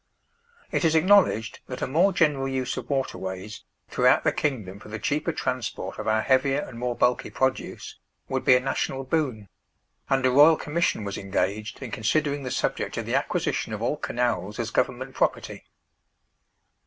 It is acknowledged that a more general use of waterways, throughout the kingdom for the cheaper transport of our heavier and more bulky produce, would be a national boon; and a Royal Commission was engaged in considering the subject of the acquisition of all canals as Government property.